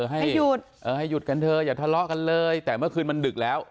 ให้ให้หยุดเออให้หยุดกันเถอะอย่าทะเลาะกันเลยแต่เมื่อคืนมันดึกแล้ว